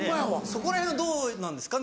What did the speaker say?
そこら辺どうなんですかね？